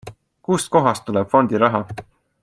Kust kohast tuleb fondi raha?